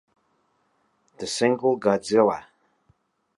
The single Godzilla!